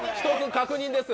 確認です。